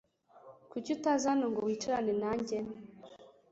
Kuki utaza hano ngo wicarane nanjye?